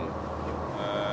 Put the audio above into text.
へえ。